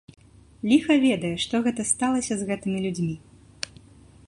Ліха ведае што гэта сталася з гэтымі людзьмі.